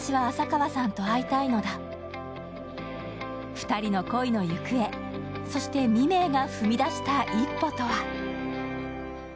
２人の恋の行方、そして未明が踏み出した一歩とは？